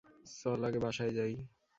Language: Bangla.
চল আগে বাসায় যাই!